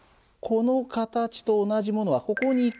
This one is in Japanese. この形と同じものはここに１個あるね。